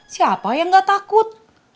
siapa yang gak takut